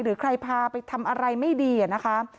หรือใครพาไปทำอะไรไม่ดีนะคะ